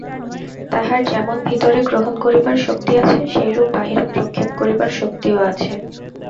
তাঁহার যেমন ভিতরে গ্রহণ করিবার শক্তি আছে, সেইরূপ বাহিরে প্রক্ষেপ করিবার শক্তিও আছে।